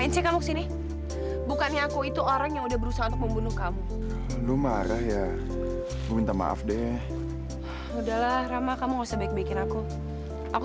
tinggal sama aku